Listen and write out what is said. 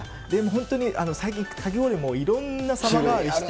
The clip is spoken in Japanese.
本当に最近、かき氷もいろんな様変わりして。